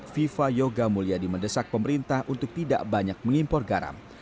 viva yoga mulia di mendesak pemerintah untuk tidak banyak mengimpor garam